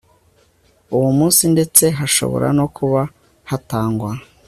uwo munsi ndetse hashobora no kuba hatangwa